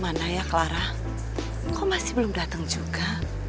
mana ya clara kok masih belum datang juga